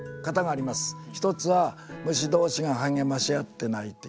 一つは虫同士が励まし合って鳴いている。